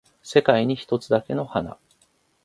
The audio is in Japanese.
世界に一つだけの花